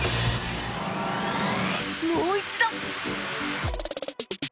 もう一度！